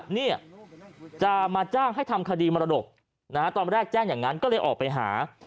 เนี่ยจะมาจ้างให้ทำคดีมรดกตอนแรกแจ้งอย่างนั้นก็เลยออกไปหา